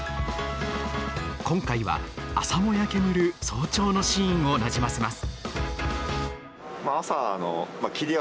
今回は朝もや煙る早朝のシーンをなじませます。